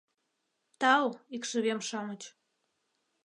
— Тау, икшывем-шамыч!